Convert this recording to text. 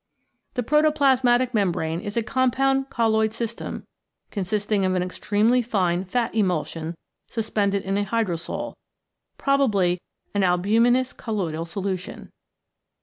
The protoplas matic membrane is a compound colloid system consisting of an extremely fine fat emulsion sus pended in a hydrosol, probably an albuminous colloidal solution.